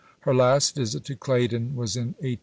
Her last visit to Claydon was in 1894 95.